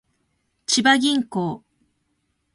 千葉銀行